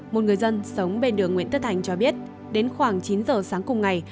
một người dân sống bên đường nguyễn tất thành cho biết đến khoảng chín giờ sáng cùng ngày